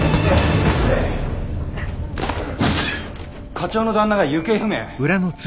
課長の旦那が行方不明？